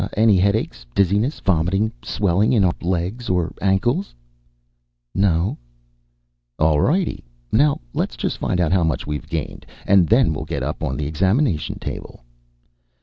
"Any headaches? Dizziness? Vomiting? Swelling in our legs or ankles?" "No." "All rightie. Now let's just find out how much we've gained, and then we'll get up on the examination table."